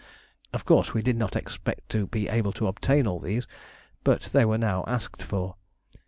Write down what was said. Of course we did not expect to be able to obtain all these, but they were now asked for.